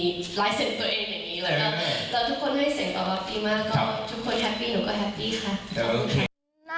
แล้วทุกคนให้เสียงตอบดีมากทุกคนแฮปปี้หนูก็แฮปปี้ค่ะ